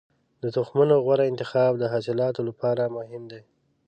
د تخمونو غوره انتخاب د حاصلاتو لپاره مهم دی.